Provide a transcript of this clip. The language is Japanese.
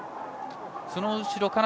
その後ろ